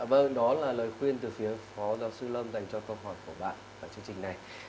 vâng đó là lời khuyên từ phía phó giáo sư lâm dành cho câu hỏi của bạn tại chương trình này